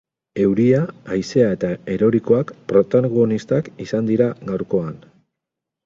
Euria, haizea eta erorikoak protagonistak izan dira gaurkoan.